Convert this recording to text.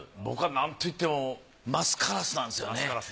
僕はなんといってもマスカラスなんですよね。